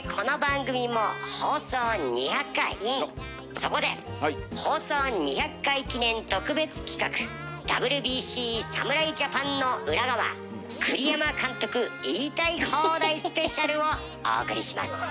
そこで放送２００回記念特別企画「ＷＢＣ侍ジャパンの裏側栗山監督言いたい放題スペシャル」をお送りします。